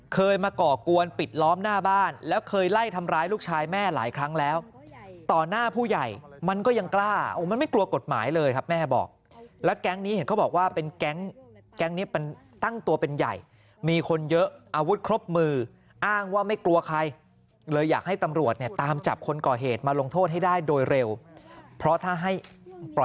เคยมาก่อกวนปิดล้อมหน้าบ้านแล้วเคยไล่ทำร้ายลูกชายแม่หลายครั้งแล้วต่อหน้าผู้ใหญ่มันก็ยังกล้ามันไม่กลัวกฎหมายเลยครับแม่บอกแล้วแก๊งนี้เห็นเขาบอกว่าเป็นแก๊งแก๊งนี้มันตั้งตัวเป็นใหญ่มีคนเยอะอาวุธครบมืออ้างว่าไม่กลัวใครเลยอยากให้ตำรวจเนี่ยตามจับคนก่อเหตุมาลงโทษให้ได้โดยเร็วเพราะถ้าให้ปล่อย